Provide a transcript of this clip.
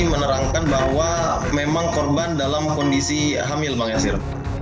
menerangkan bahwa memang korban dalam kondisi hamil bang enzir